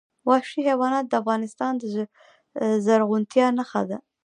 وحشي حیوانات د افغانستان د زرغونتیا نښه ده.